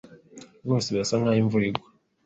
Rwose birasa nkaho imvura igwa.